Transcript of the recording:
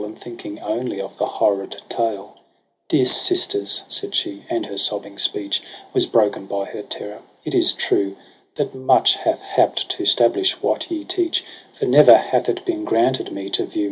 And, thinking only of the horrid tale, ID ' Dear sisters,' said she, and her sobbing speech Was broken by her terror, * it is true That much hath hapt to stablish what ye teach j For ne'er hath it been granted me to view